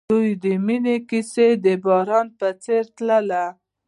د دوی د مینې کیسه د باران په څېر تلله.